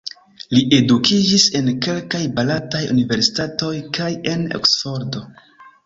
Li edukiĝis en kelkaj barataj universitatoj kaj en Oksfordo.